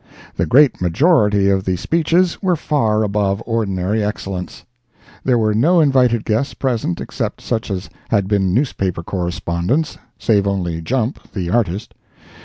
The great majority of the speeches were far above ordinary excellence. There were no invited guests present except such as had been newspaper correspondents (save only Jump, the artist).